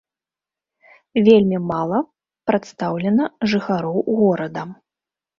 Вельмі мала прадстаўлена жыхароў горада.